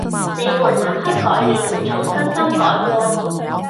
「你們立刻改了，從眞心改起！